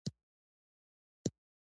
کور د راحتي ځای دی.